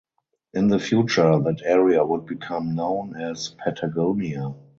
In the future that area would become known as Patagonia.